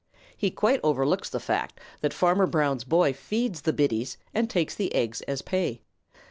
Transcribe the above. He quite overlooks the fact that Farmer Brown's boy feeds the biddies and takes the eggs as pay.